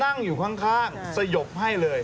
นั่งอยู่ข้างสยบให้เลย